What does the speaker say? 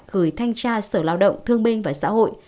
gửi thanh tra sở lao động thương binh và xã hội